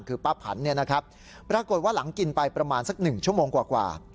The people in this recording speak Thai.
คือป้าผันปรากฏว่าหลังกินไปประมาณสัก๑ชั่วโมงกว่า